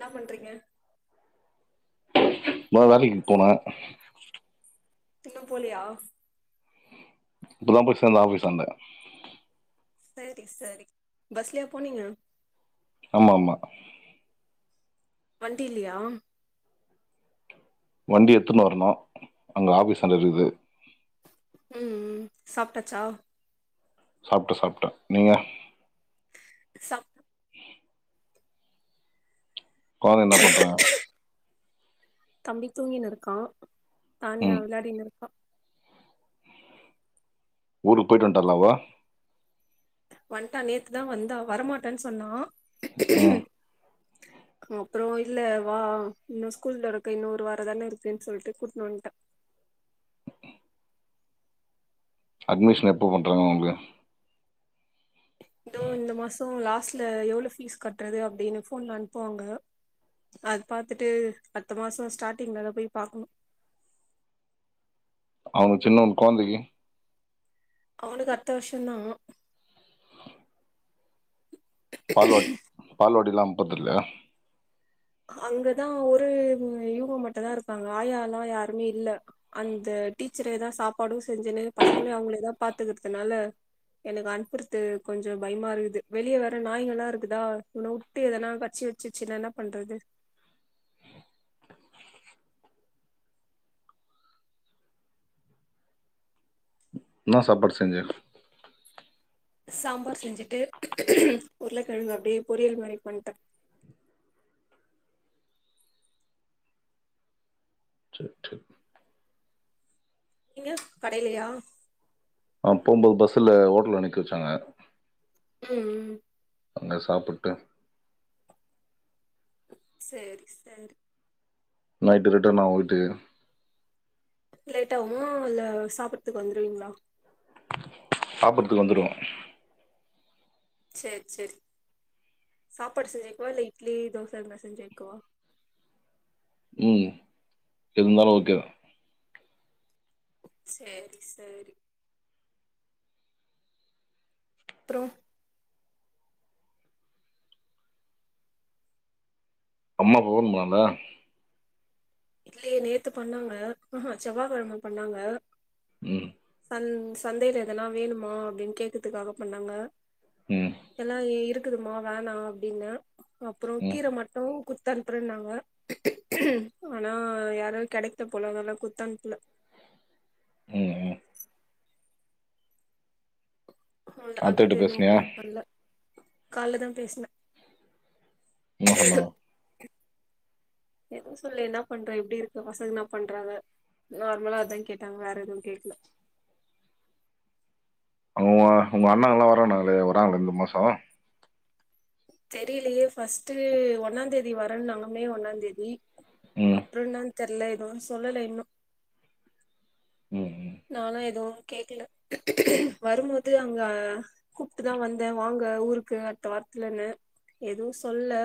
நா பண்றீங்க ந வேலைக்கு போனா இன்னும் போலியா இப்போ போய் சேந்த ஆபீஸ்ண்ட செரி செரி பஸ்லையா போனீங்க ஆமா ஆமா வண்டி இல்லையா வண்டி எத்துன்னு வரணும் அங்கே ஆஃபீஸ் அண்ட இருக்குது ம் ம் சாப்பிட்டாச்சா சாப்பிட்டே சாப்பிட்டன் நீங்க சாப் கொழந்த என்ன பண்றாங்க தம்பி தூங்கினு இருக்கான் தானியா ம் விளாடி இருக்க ஊருக்கு போயிட்டு வந்துட்டாலா வன்ட்டா நேத்துதான் வந்தா வரமாட்டேன்னு சொன்னா ம் அப்றம் இல்ல வா இன்னும் ஸ்கூலில் தோறக்க இன்னும் ஒரு வாரம் தானே இருக்குதுன்ன சொல்லிட்டு கூட்டிட்டுவந்துட்டேன் அட்மிஷன் எப்போ பண்ணுறாங்க அவங்க இதோ இந்த மாசம் லாஸ்ட்ல எவ்வளவு ஃபீஸ் கட்டுறது அப்டின்னு போஃபோன்ல அனுப்புவாங்க அது பார்த்துட்டு அடுத்த மாசம் ஸ்டார்ட்டிங்கல்ல போய் பார்க்கணும் அவங்க சின்னேரு குழந்தைக்கு அவளுக அடுத்த வருஷம்தான் பால்வாடி பால்வாடில்லாம் அனுப்புறது இல்லயா அங்கதான் ஒரு யுவுங்க மட்ட தான் இருப்பாங்க ஆய எல்லாம் யாருமே இல்ல அந்த டீச்சரைதான் சாப்பாடும் செஞ்சுன்னு பசங்களையும் அவங்களே பார்த்துக்குறதுனால எனக்கு அனுப்புறது கொஞ்சம் பயமா இருக்குது வெளியே வேற நாய்கள்ளாம் இருக்குதா இவன உட் உட்டு எதனா கச்சி வச்சுன்னா என்ன பண்றது என்ன சாப்பாடு செஞ்சுர் சாம்பார் செஞ்சுட்டு உருளைக்கிழங்கு அப்டியே பொரியல் மாரி பண்ணுடேன் சேரி சேரி நீங்க கடையிலையா ஆ போம்போது பஸ்ல ஓட்டல்ல நிக்க வச்சாங்க ம் அங்கே சாப்பிட்டு சேரி சேரி நைட்டு ரிட்டன் ஆகும் வீட்டுக்கு லேட்டா ஆகுமா இல்ல சாப்பிறத்துக்கு வந்துடுவீங்களா சாப்புறதுக்கு வந்துருவோம் சேரி சேரி சாப்பாடு செஞ்சு வைக்கவா இல்ல இட்லி தோசை இதுமாரி செஞ்சுவைக்கவா ம் இருந்தாலும் ஓகே தான் சேரி சேரி அப்றம் அம்மா போன் பண்ணாலா இல்லயை நேத்து பண்ணாங்க செவ்வாகழம பண்ணாங்க ம் சன் சந்தையில எதனா வேணுமா அப்டின் கேக்கத்துக்காக பண்ணாங்க ம் எல்லா இ இருக்குதுமா வேணா அப்டின்ன அப்றோ ம் கீர மட்டு குட் தன்ப்புறன்னாங்க ஆனா யாரோ கொடைத்த போல அத்னால குத்தன்ப்புல ம் ம் அவுள்தா அதோட அத்தகிட்ட எதுவு பேசுனியா கோட் பண்ல கால்லதா பேஸ்ன இன்ன சொல்ல எதுவு சொல்ல என்னா பண்ற எப்டி இருக்கு பசங் இன்ன பண்றாங்க நார்மலா அதா கேட்டாங்க வேற எதுவு கேக்ல அவுங்க உங்க அண்ணாங்கல்லா வரன்னாங்ளே வரங்கலா இந்த மாசோ தெரிலியே ஃபஸ்ட்டு ஒன்னாந்தேதி வரன்னாங்க மே ஒன்னாந்தேதி ம் அப் ப்ற ன்னா தெர்ல எது சொல்லல இன்னு ம் ம் நாலா எதுவு கேக்ல வரும்மோது அங்க கூப்புட்டுதா வந்த வாங்க ஊருக்கு அட்த்த வார்த்துலன்னு எதுவு சொல்ல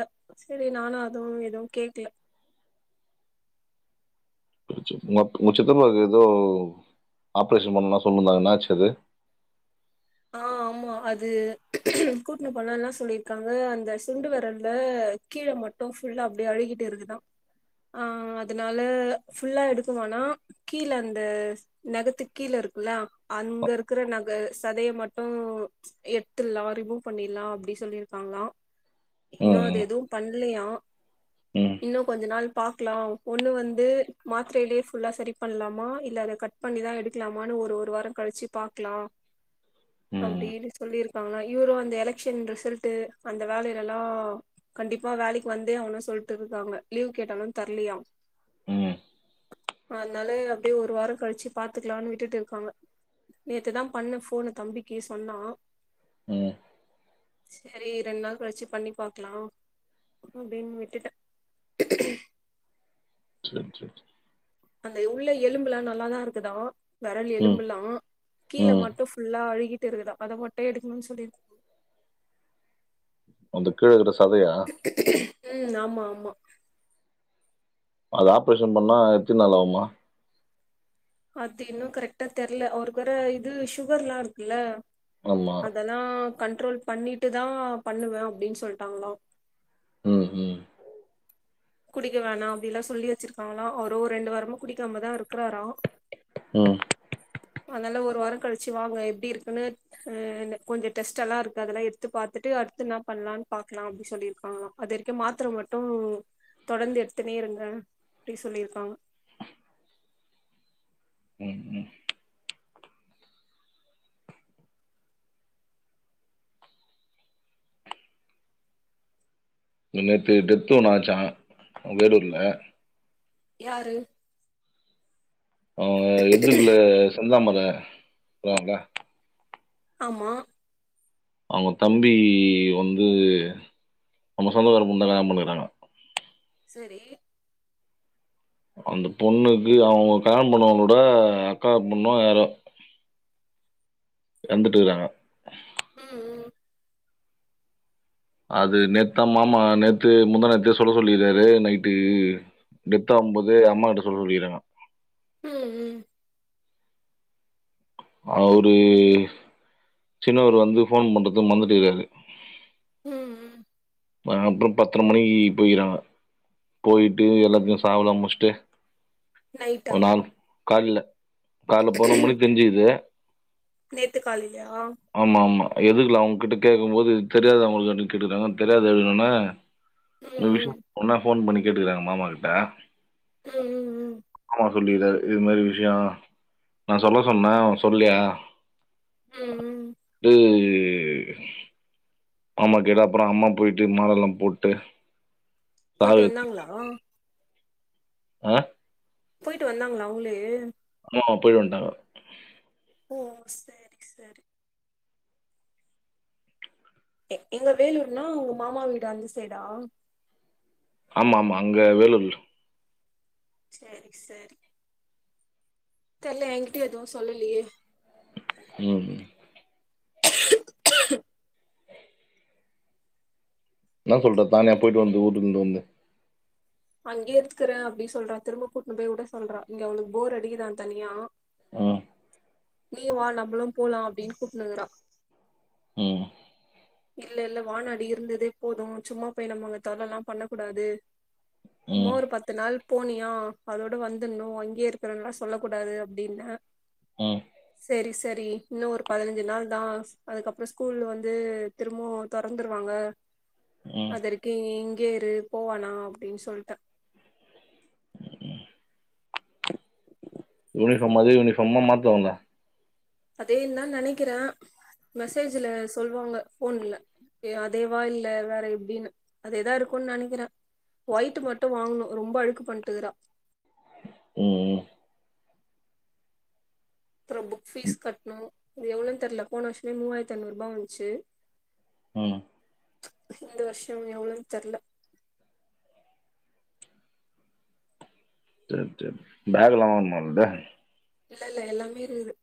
சேரி நானு அதுவு எதுவு கேக்ல உங்க உங்க சித்தப்பாவுக்கு எதோ ஆப்ரேஷன் பண்ணும்லா சொல்னுந்தாங்க இன்னாச்சு அது அ ஆமா அது கூட்டுனு போனா இன்னா சொல்லியிருக்காங்க அந்த சுண்டு வெரல்ல கீழ மட்டு ஃபுல்லா அப்டே அழுகிட்டு இருக்குதா ஆ அதுனால ஃபுல்லா எடுக்குவானா கீழ அந்த நெகத்துக் கீழ இருக்குல்ல அங்க இருக்குற நக சதய மட்டு எத்துல்லா ரிமூவ் பண்ணில்லா அப்டி சொல்லிருக்காங்ளா இன்னு ம் அது ம் எது பண்லயா ம் இன்னு கொஞ்ச நாள் பாக்லா ஒன்னு வந்து மாத்ரைலே ஃபுல்லா சரி பண்லாமா இல்ல அத கட் பண்ணிதா எடுக்லாமானு ஒரு ஒரு வார கழிச்சு பாக்லா ம் அப்டின்னு சொல்லிருக்காங்க இவுரு அந்த எலக்க்ஷன் ரிசல்ட்டு அந்த வேலைலலா கண்டிப்பா வேலைக் வந்தே ஆவனு சொல்ட்டு இருக்காங்க லீவ் கேட்டாலு தர்லியா ம் அத்னால அப்டே ஒரு வார கழிச்சு பாத்துக்லானு விட்டுட்டு இருக்காங்க நேத்து தா பண்ண ஃபோனு தம்பிக்கு சொன்னா ம். சரி ரெண் நாள் கழிச்சு பண்ணி பாக்லா அப்டின் விட்டுட்ட சேர் சேர் சேர் அந்த உள்ள எலும்புலா நல்லாதா இருக்குதா வெரல் ம் எலும்புலா கீழ ம் மட்டு ஃபுல்லா அழுகிட்டு இருக்குதா அத மட்டு எடுக்ணுன் சொல்லிர் அந்த கீழருக்க சதயா ம் ஆமா ஆமா அது ஆப்ரேஷன் பண்ணா எத்தின் நாள் ஆவுமா அது இன்னு கரெக்டா தெர்ல அவுருக் வேர இது சுகர்லா இருக்குல்ல ஆமா அதெல்ல தா கண்ட்ரோல் பண்ணிட்டு தா பண்ணுவ அப்டின் சொல்ட்டாங்ளா ம் ம் குடிக்க வேணா அப்டில்லா சொல்லி வச்சிருக்காங்ளா அவுரு ஒ ரெண்டு வாரமா குடிக்காமதா இருக்குறாரா ம் அதுனால ஒரு வாரம் கழிச்சு வாங்க எப்டி இருக்குன்னு ஹ கொஞ்சம் டெஸ்ட் எல்லா இருக்கு அதெல்லாம் எடுத்து பாத்துட்டு அடுத்து என்ன பண்ணலானு பாக்கலாம் அப்டி சொல்லி இருக்காங்களா அது வரைக்கும் மாத்திர மட்டும் தொடர்ந்து எடுத்துனே இருங்க அப்டி சொல்லிருக்காங்க ம் ம் இ நேத்து டெத்து ஒன்னு ஆச்சா வேடூர்ல யாரு அ இதுக்குள்ள செந்தாமர போங்களா ஆமா அவுங்க தம்பி வந்து நம்ம சொந்தகார பொண்ண தா கல்யாணம் பண்ணுகிறாங்க செரி அந்த பொண்ணுக்கு அவங்க கல்யாண பண்ணவங்களோட அக்கா பொண்ணோ யாரோ இறந்துட்டு இருக்காங்க ம்ம் அது நேத்தா மாமா நேத்து முந்தா நேத்து சொல்ல சொல்லிறாரு நைட்டு டெத்தா அம்பது அம்மா கிட்ட சொல்ல சொல்லிருங்க ம் ம் அவுரு சின்னவரு வந்து போன் பண்றது மறந்துட்டுக்கிறாரு ம் ம் நான் அப்புறம் பத்தர மணிக்கு போய்றாங்க போயிட்டு எல்லாத்தையும் சாவுலா முஸ்ட்டு நைட்டா ஒரு நாள் கால்ல கால்ல பதினோறு மணிக்கு தெரிஞ்சுகிது நேத்து காலிலயா ஆமா ஆமா எதுக்கலாம் அவங்க கிட்ட கேக்கும் போது தெரியாது அவங்களுக்கு அப்டினு கேட்டுக்குறாங்க தெரியாது ம் அப்டின்னவொடனே ம் விஷயம் ஒன்னா போன் பண்ணி கேட்டுக்கறாங்க மாமா கிட்ட ம் ம் ம் மாமா சொல்லிகிறாரு இது மாரி விஷயம் நான் சொல்ல சொன்ன சொல்லியா ம் ம் [unintelligible] மாமா கேட்டு அப்பறம் அம்மா போயிட்டு மாலல்லாம் போட்டு போயிட்டு சாவி வந்தாங்ளா ஆ போயிட்டு வந்தாங்ளா அவங்ளே [unintelligible] போய்ட்டுவந்டாங்க ஓ செரி செரி எங்க வேலூர்னா உங்க மாமா வீடு அந்த சைடா ஆமா ஆமா அங்க வேலூர் சேரி சேரி தெர்ல என்கிட்ட எதுவும் சொல்லலையே ம் ன்னா சொல்ற தானியா போய்ட்டு வந்து ஊர்லருந்து அங்கே இருந்துக்கிறேன் அப்டி சொல்றா திரும்ப கூட்னு போய் விட சொல்றா இங்க அவளுக்கு போர் அடிக்குதான் தனியா ம் நீயு வா நம்மளும் போலாம் அப்டின்னு கூப்டுனுக்றா ம் இல்லல்ல வானா டி இருந்ததே போது சும்மா போய் நம்ம அங்க தொல்லலா பண்ணகூடாது சும்மா ம் ஒரு பத்து நாள் போனியா அதோட வந்தன்ணு அங்கயே இருக்றன்லா சொல்ல கூடாது அப்டின்ன ம் செரி சரி இன்னு ஒரு பதினஞ்சு நாள் தா அதுக்கப்பற ஸ்கூல்ல வந்து திரும்பவு தொறந்துருவாங்க ம் அதரைக்கு இங்கேயே இரு போவானா அப்டின் சொல்ட்டே யூனிஃபாம் அதே யூனிஃபாமா மாத்துவாங்ளா அதே தா நெனைக்கிறே மெசேஜ்ல சொல்வாங்க ஃபோன்ல ஏ அதேவா இல்ல வேற எப்டினு அதே தா இருக்குன் நெனைக்கிறே ஒயிட்டு மட்டு வாங்கணு ரொம்ப அழுக்கு பண்ட்டுக்றா ம் ம் அப்பறம் புக் ஃபீஸ் கட்ணு அது எவ்ளோன் தெர்ல போன வருஷமே மூவாயிரத்துஐநூற்பா வந்ச்சு ம் ம் இந்த வர்ஷோ எவ்ளோன் தெர்ல சர் சர் பேக்லா வாங்னுமா அவ்ள்து இல்லல்ல எல்லாமே இருக்குது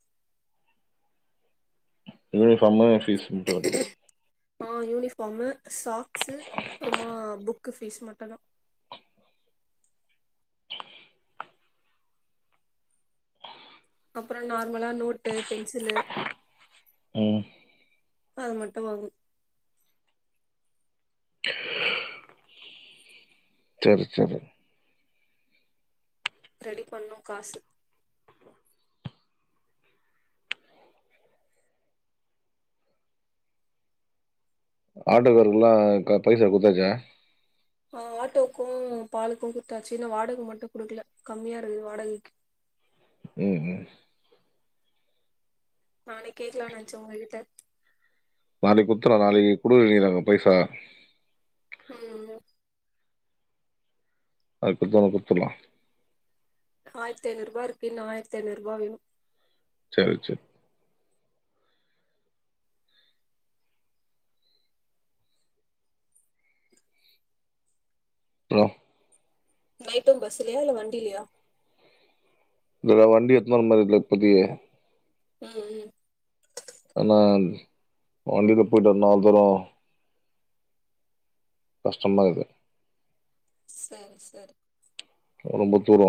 யூனிஃபாமு ஃபீஸ் மட்டு கட்ணு ஆ யூனிஃபாமு சாக்ஸு அப்பறமா புக்கு ஃபீஸ் மட்டு தா அப்றோ நார்மலா நோட்டு பென்சிலு ம் அது மட்டு வாங்கு செரி செரி ரெடி பண்ணு காசு ஆட்டோக்காருக்லா கா ப பைசா குட்த்தாச்சா ஆ ஆட்டோக்கு பாலுக்கு குட்த்தாச்சு இன்னு வாடக மட்டு குடுக்கல கம்மியா இருக்குது வாடகைக்கு ம் ம் நானே கேக்லான் நென்ச்சே உங்ககிட்ட நாளைக் குத்துருவே நாளைக்கு குடு நீ அங்க பைசா ம் ம் அது குட்தோனோ குட்த்தர்லா ஆயர்த்ஐநூற்பா இருக்கு இன்னு ஆயர்த்ஐநூற்பா வேணு செரி செர் அப்றோ நைட்டும் பஸ்சுலயா இல்ல வண்டிலயா இதுல வண்டி எத்துனு வர்ற மாரில்ல இப்பதையே ம் ம் அனா வண்டில போயிட்டு வர்னு அவ்ளோதுரோ கஷ்டமாருக்கு சரி சரி ரொம்ப தூரொ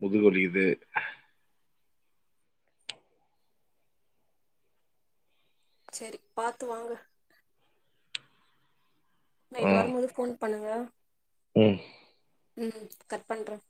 முதுகு வலிக்கிது செரி பாத்து வாங்க ஆ நைட்டு வரும்போது ஃபோன் பண்ணுங்க ம் ம் கட் பண்ற